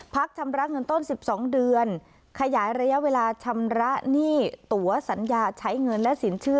ชำระเงินต้น๑๒เดือนขยายระยะเวลาชำระหนี้ตัวสัญญาใช้เงินและสินเชื่อ